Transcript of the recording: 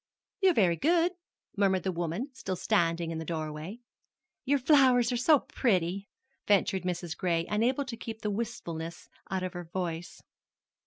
"You're very good," murmured the woman, still standing in the doorway. "Your flowers are so pretty," ventured Mrs. Gray, unable to keep the wistfulness out of her voice.